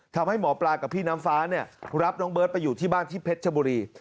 ทำให้หมอปลากับพี่น้ำฟ้าเนี่ยรับน้องเบิร์ตไปอยู่ที่บ้านที่เพชรชบุรี